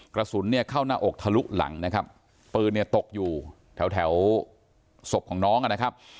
กระสุนเนี่ยเข้าหน้าอกทะลุหลังนะครับปืนเนี่ยตกอยู่แถวแถวศพของน้องนะครับ